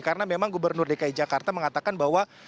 karena memang gubernur dki jakarta mengatakan bahwa